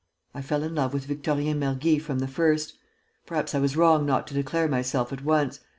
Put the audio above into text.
I fell in love with Victorien Mergy from the first. Perhaps I was wrong not to declare myself at once.